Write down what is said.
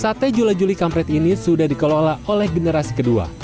sate jula juli kampret ini sudah dikelola oleh generasi kedua